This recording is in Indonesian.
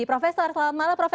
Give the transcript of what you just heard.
prof salam malam prof